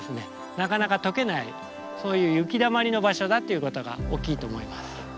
なかなか解けないそういう雪だまりの場所だっていうことが大きいと思います。